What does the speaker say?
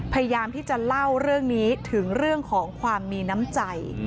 พยายามที่จะเล่าเรื่องนี้ถึงเรื่องของความมีน้ำใจ